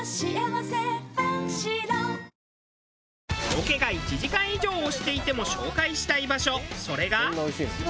ロケが１時間以上押していても紹介したい場所それが。